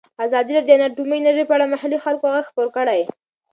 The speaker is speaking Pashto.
ازادي راډیو د اټومي انرژي په اړه د محلي خلکو غږ خپور کړی.